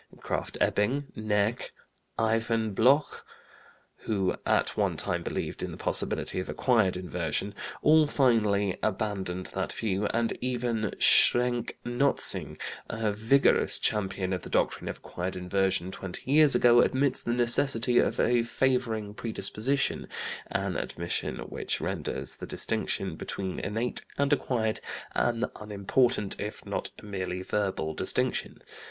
Krafft Ebing, Näcke, Iwan Bloch, who at one time believed in the possibility of acquired inversion, all finally abandoned that view, and even Schrenck Notzing, a vigorous champion of the doctrine of acquired inversion twenty years ago, admits the necessity of a favoring predisposition, an admission which renders the distinction between innate and acquired an unimportant, if not a merely verbal, distinction.